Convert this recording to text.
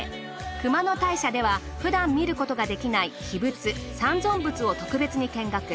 熊野大社では普段見ることが出来ない秘仏「三尊仏」を特別に見学。